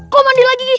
kamu mandi lagi gigi